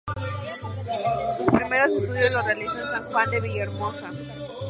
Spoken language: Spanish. Sus primeros estudios los realizó en San Juan de Villahermosa.